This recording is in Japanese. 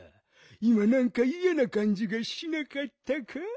いまなんかいやなかんじがしなかったか？